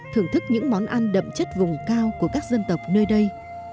thưởng thức những món ăn đậm chất vùng cao của các dân tộc nơi đây